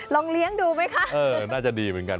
ลองเลี้ยงดูไหมคะเออน่าจะดีเหมือนกัน